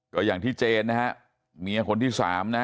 ก็อย่างที่เจนนะฮะเมียคนที่สามนะฮะ